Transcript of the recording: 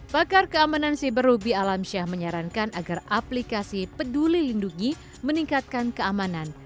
pakar keamanan siber ruby alamsyah menyarankan agar aplikasi peduli lindungi meningkatkan keamanan